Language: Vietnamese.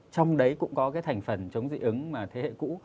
trong đấy cũng có thành phần chống dị ứng thế hệ cũ